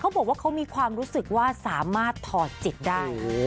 บอกว่าเขามีความรู้สึกว่าสามารถถอดจิตได้